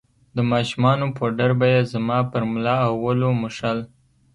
د ماشومانو پوډر به يې زما پر ملا او ولو موښل.